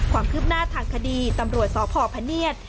ความคืบหน้าทางคดีตำรวจสพพเนียด